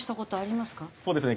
そうですね。